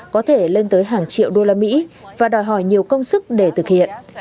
có thể lên tới hàng triệu đô la mỹ và đòi hỏi nhiều công sức để thực hiện